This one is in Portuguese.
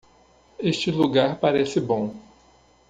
Este lugar parece bom.